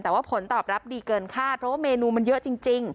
แต่ว่าผลตอบรับดีเกินคาดเพราะว่าเมนูมันเยอะจริง